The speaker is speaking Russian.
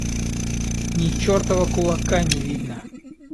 Ни чертова кулака не видно.